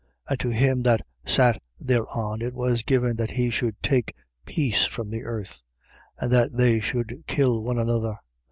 And to him that sat thereon, it was given that he should take peace from the earth: and that they should kill one another.